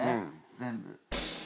全部。